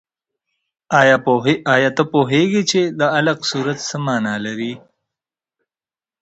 آیا ته پوهېږې چې د علق سورت څه مانا لري؟